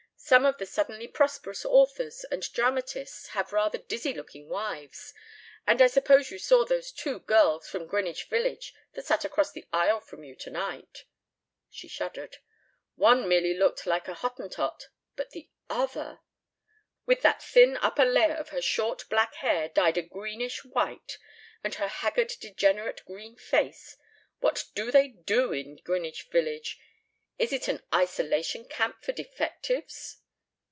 Some of the suddenly prosperous authors and dramatists have rather dizzy looking wives; and I suppose you saw those two girls from Greenwich Village that sat across the aisle from you tonight?" She shuddered. "One merely looked like a Hottentot, but the other! with that thin upper layer of her short black hair dyed a greenish white, and her haggard degenerate green face. What do they do in Greenwich Village? Is it an isolation camp for defectives?"